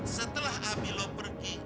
setelah abi lo pergi